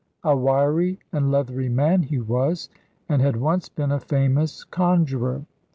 A wiry and leathery man he was, and had once been a famous conjurer.